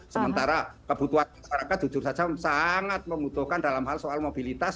sementara kebutuhan masyarakat jujur saja sangat membutuhkan dalam hal soal mobilitas